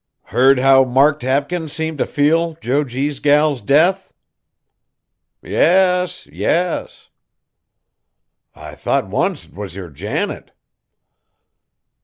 "Heard how Mark Tapkins seems t' feel Jo G.'s gal's death?" "Yes! yes!" "I thought once 't was your Janet."